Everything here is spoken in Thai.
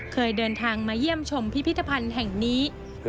เคยเดินทางมาเยี่ยมชมพิพิธภัณฑ์แห่งนี้